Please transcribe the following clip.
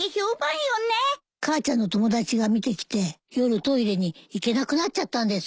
母ちゃんの友達が見てきて夜トイレに行けなくなっちゃったんですって。